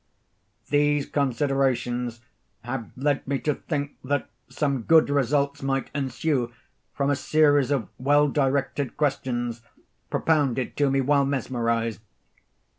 "These considerations have led me to think that some good results might ensue from a series of well directed questions propounded to me while mesmerized.